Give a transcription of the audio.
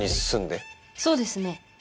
そうですね。